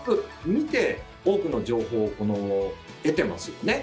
見て多くの情報を得てますよね。